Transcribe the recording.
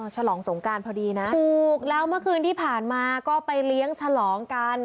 ฉลองสงการพอดีนะถูกแล้วเมื่อคืนที่ผ่านมาก็ไปเลี้ยงฉลองกัน